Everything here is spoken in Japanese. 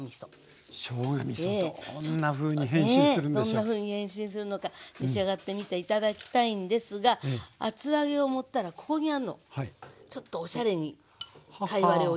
どんなふうに変身するのか召し上がってみて頂きたいんですが厚揚げを盛ったらここにあるのちょっとおしゃれに貝割れをゆでてみました。